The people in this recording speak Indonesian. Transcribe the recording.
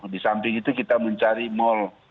di samping itu kita mencari mal